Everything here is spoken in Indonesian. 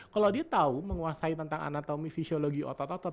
kalau dia tahu menguasai tentang anatomi fisiologi otot otot